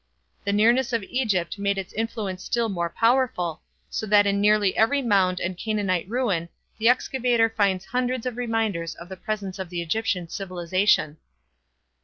The nearness of Egypt made its influence still more powerful, so that in nearly every mound and Canaanite ruin the excavator finds hundreds of reminders of the presence of the Egyptian civilization.